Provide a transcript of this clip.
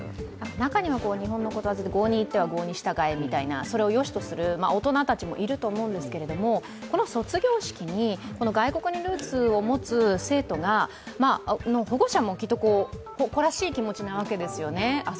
中には日本のことわざで郷に入っては郷に従えというようなそれをよしとする大人たちもいると思うんですけれども、この卒業式に外国にルーツを持つ生徒が、保護者も、きっと誇らしい気持ちなわけですよね。